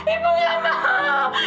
ibu tidak mau